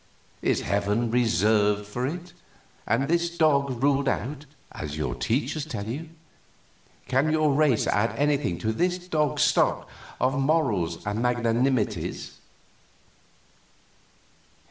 Is heaven reserved for it, and this dog ruled out, as your teachers tell you? Can your race add anything to this dog's stock of morals and magnanimities?"